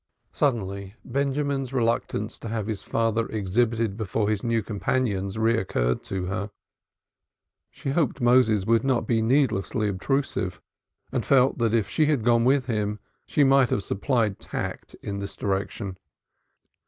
Suddenly Benjamin's reluctance to have his father exhibited before his new companions recurred to her; she hoped Moses would not be needlessly obtrusive and felt that if she had gone with him she might have supplied tact in this direction.